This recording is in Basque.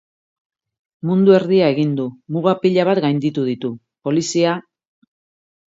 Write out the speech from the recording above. Mundu erdia egin du, muga pila bat gainditu ditu, polizia...